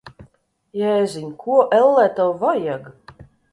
Jēziņ! Ko, ellē, tev vajag?